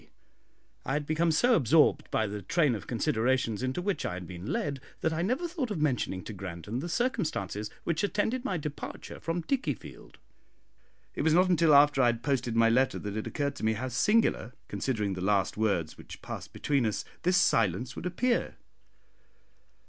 I had become so absorbed by the train of considerations into which I had been led, that I never thought of mentioning to Grandon the circumstances which attended my departure from Dickiefield. It was not until after I had posted my letter that it occurred to me how singular, considering the last words which passed between us, this silence would appear.